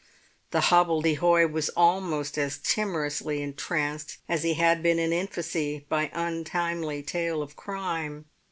The hobbledehoy was almost as timorously entranced as he had been in infancy by untimely tale of crime.